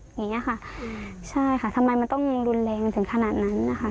อย่างเงี้ยค่ะใช่ค่ะทำไมมันต้องรุนแรงถึงขนาดนั้นนะคะ